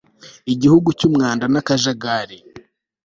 igihugu cy'umwanda n'akajagari